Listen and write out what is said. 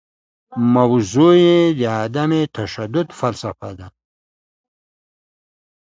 موضوع یې د عدم تشدد فلسفه ده.